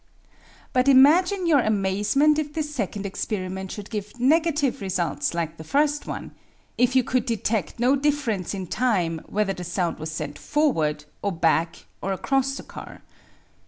But imagine your amazement if this second experi ment should give negative results like the first one ; if you could detect no difference in time whether the sound was sent forward or back or across the car.